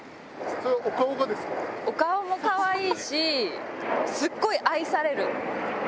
お顔もかわいいし、すっごい愛される。